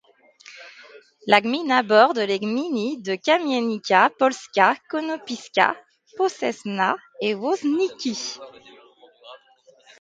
La gmina borde les gminy de Kamienica Polska, Konopiska, Poczesna et Woźniki.